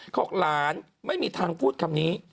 บอกหลานไม่มีทางพูดคำนี้